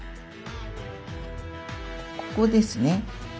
ここですね。